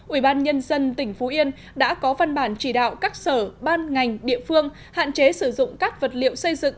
ubnd tỉnh phú yên đã có văn bản chỉ đạo các sở ban ngành địa phương hạn chế sử dụng các vật liệu xây dựng